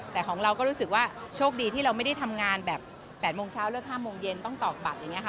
แต่ของเราก็รู้สึกว่าโชคดีที่เราไม่ได้ทำงานแบบ๘โมงเช้าเลิก๕โมงเย็นต้องตอกบัตรอย่างนี้ค่ะ